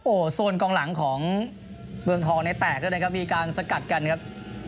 โอ้โหส่วนกองหลังของเมืองทองในแตกด้วยนะครับมีการสกัดกันครับ